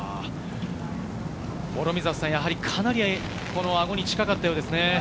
やはりかなりアゴに近かったようですね。